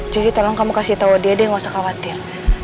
jadi tolong kamu kasih tau dia deh gak usah khawatir